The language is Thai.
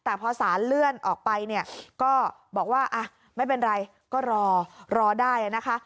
แต่พอสาเลื่อนออกไปบอกว่ายไม่เป็นไรก็รอรอได้